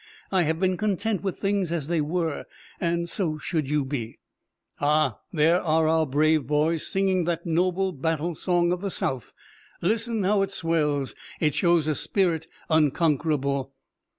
I have been content with things as they were, and so should you be. Ah, there are our brave boys singing that noble battle song of the South! Listen how it swells! It shows a spirit unconquerable!"